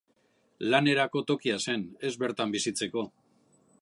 Lanerako tokia zen, ez bertan bizitzeko.